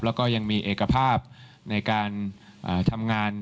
แล้วก็ยังมีเอกภาพในการทำงาน